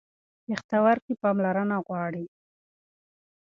پښتورګي پاملرنه غواړي.